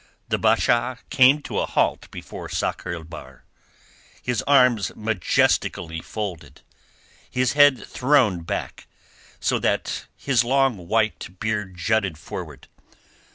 The Basha came to a halt before Sakr el Bahr, his arms majestically folded, his head thrown back, so that his long white beard jutted forward.